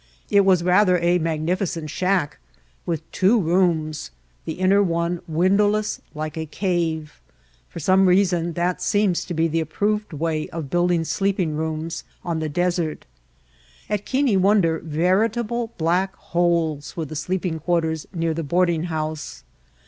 It was rather a magnificent shack with two rooms, the inner one windowless like a cave. For some reason that seems to be the approved way of building sleeping rooms on the desert. At Keane Won der veritable black holes were the sleeping quar ters near the boarding house.